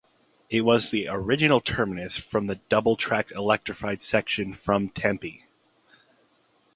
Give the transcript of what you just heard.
It was the original terminus of the double track electrified section from Tempe.